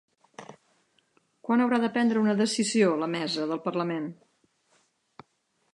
Quan haurà de prendre una decisió la mesa del parlament?